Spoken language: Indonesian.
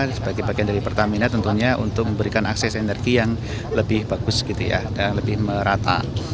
sebagai bagian dari pertamina tentunya untuk memberikan akses energi yang lebih bagus dan lebih merata